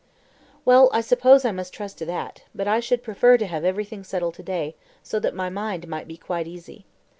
"Well, I suppose I must trust to that; but I should prefer to have everything settled to day, so that my mind might be quite easy.